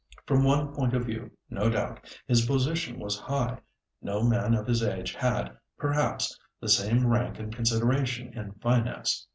From one point of view, no doubt, his position was high; no man of his age had, perhaps, the same rank and consideration in finance.